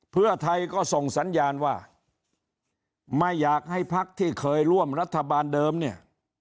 เพื่อไทยก็ส่งสัญญาณว่าไม่อยากให้พักที่เคยร่วมรัฐบาลเดิมเนี่ย